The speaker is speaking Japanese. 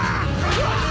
うわっ！